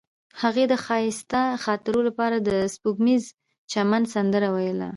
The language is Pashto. هغې د ښایسته خاطرو لپاره د سپوږمیز چمن سندره ویله.